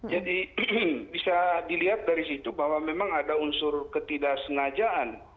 jadi bisa dilihat dari situ bahwa memang ada unsur ketidaksengajaan